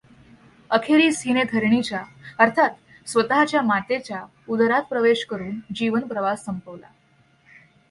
अखेरीस हिने धरणीच्या, अर्थात स्वतःच्या मातेच्या, उदरात प्रवेश करून जीवनप्रवास संपवला.